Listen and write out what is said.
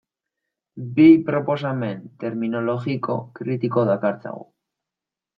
Bi proposamen terminologiko kritiko dakartzagu.